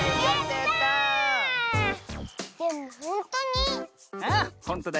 でもほんとに？